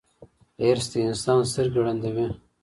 حرص د انسان سترګې ړندوي.